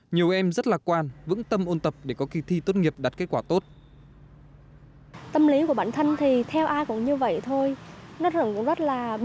nhiều em rất lạc quan vững tâm ôn tập để có kỳ thi tốt nghiệp đạt kết quả tốt